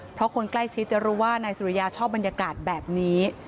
เพราะคนใกล้ชิดจะรู้ว่านายสุริยาชอบบรรยากาศแบบนี้